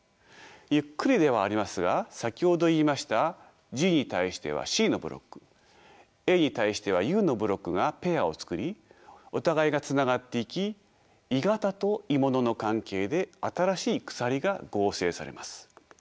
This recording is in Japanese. ゆっくりではありますが先ほど言いましたＧに対してはＣのブロックＡに対してはＵのブロックがペアを作りお互いがつながっていき鋳型と鋳物の関係で新しい鎖が合成されます。